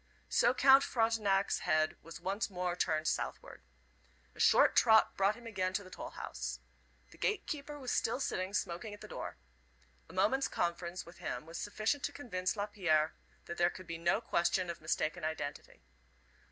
So Count Frontenac's head was once more turned southward. A short trot brought him again to the toll house. The gatekeeper was still sitting smoking at the door. A moment's conference with him was sufficient to convince Lapierre that there could be no question of mistaken identity.